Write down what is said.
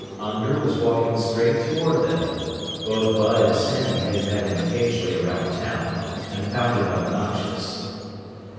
Unger was walking straight toward them. Both Bud and Sandy had met him occasionally around town and found him obnoxious.